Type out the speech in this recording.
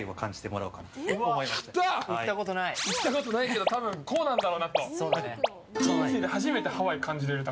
行ったことないけど多分こうなんだろうなと。